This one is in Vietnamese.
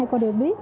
hai cô đều biết